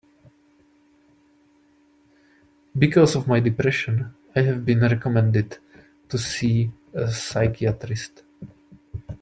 Because of my depression, I have been recommended to see a psychiatrist.